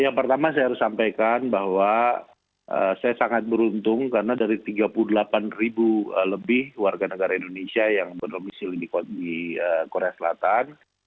yang pertama saya harus sampaikan bahwa saya sangat beruntung karena dari tiga puluh delapan ribu lebih warga negara indonesia yang berdomisi di korea selatan